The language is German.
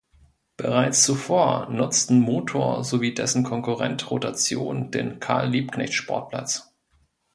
Bereits zuvor nutzten Motor sowie dessen Konkurrent Rotation den "Karl-Liebknecht-Sportplatz".